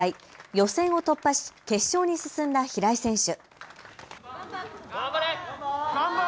今回の大会、予選を突破し決勝に進んだ平井選手。